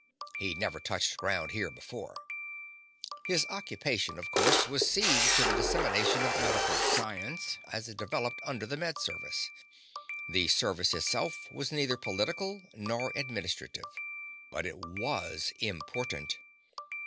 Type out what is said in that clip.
He'd never touched ground here before. His occupation, of course, was seeing to the dissemination of medical science as it developed under the Med Service. The Service itself was neither political nor administrative. But it was important.